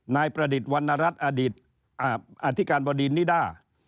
นายประดิษฐ์วรรณรัฐอดีตอธิการบดีนิด้า